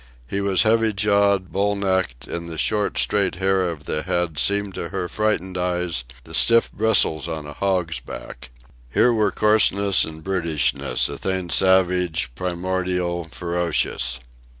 He was heavy jawed, bull necked, and the short, straight hair of the head seemed to her frightened eyes the stiff bristles on a hog's back. Here were coarseness and brutishness a thing savage, primordial, ferocious.